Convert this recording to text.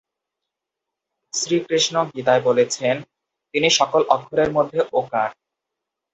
শ্রীকৃষ্ণ গীতায় বলেছেন, তিনি সকল অক্ষরের মধ্যে ওঁ-কার।